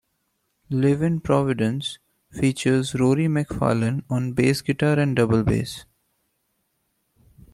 "Live in Providence" features Rory MacFarlane on bass guitar and double bass.